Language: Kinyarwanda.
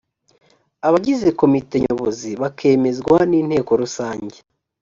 abagize komite nyobozi bakemezwa n’inteko rusange